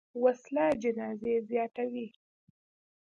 وسله جنازې زیاتوي